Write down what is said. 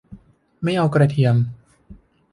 ไม่เอากระเทียม